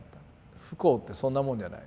不幸ってそんなもんじゃない。